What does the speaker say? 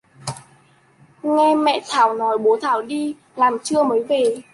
nghe Mẹ Thảo nói bố thảo đi làm trưa mới về